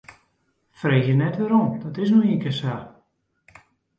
Freegje net wêrom, dat is no ienkear sa.